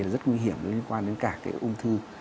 rất nguy hiểm liên quan đến cả cái ung thư